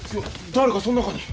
誰かそん中に。